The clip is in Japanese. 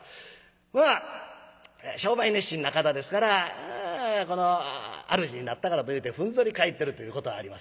まあ商売熱心な方ですから主になったからというてふんぞり返ってるということはありません。